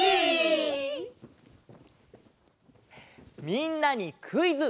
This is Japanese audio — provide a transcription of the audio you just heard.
みんなにクイズ！